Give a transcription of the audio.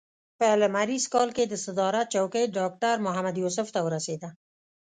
په لمریز کال کې د صدارت څوکۍ ډاکټر محمد یوسف ته ورسېده.